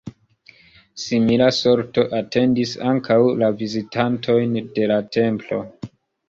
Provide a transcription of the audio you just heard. Simila sorto atendis ankaŭ la vizitantojn de la templo.